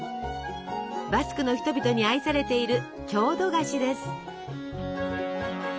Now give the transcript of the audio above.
バスクの人々に愛されている郷土菓子です。